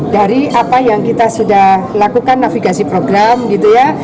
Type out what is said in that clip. dari apa yang kita sudah lakukan navigasi program gitu ya